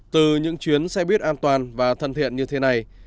từ những chuyến xe buýt an toàn và thân thiện như thế này